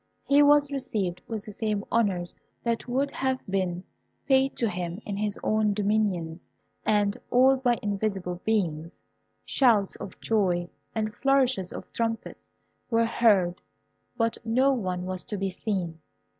He was received with the same honours that would have been paid to him in his own dominions, and all by invisible beings. Shouts of joy and flourishes of trumpets were heard, but no one was to be seen.